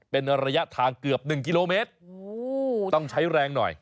เป็นระยะทางเกือบ๑กิโลเมตรต้องใช้แรงหน่อย